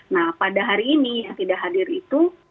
nah pada hari ini yang tidak hadir itu